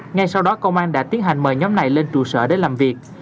ngay sau đó công an đã tiến hành mời nhóm này lên trụ sở để làm việc